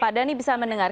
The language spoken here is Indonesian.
pak dhani bisa mendengar